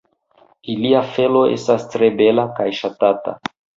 Ilia felo estas tre bela kaj ŝatata.